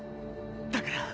だから。